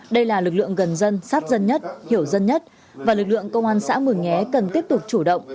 đây là lực lượng gần dân sát dân nhất hiểu dân nhất và lực lượng công an xã mường nhé cần tiếp tục chủ động